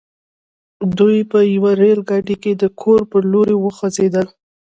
دوی په يوه ريل ګاډي کې د کور پر لور وخوځېدل.